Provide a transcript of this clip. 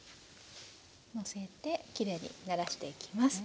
のせてきれいにならしていきます。